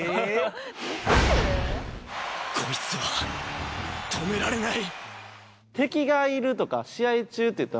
こいつは止められない。